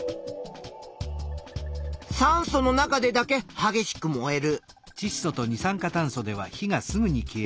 酸素の中でだけはげしく燃える。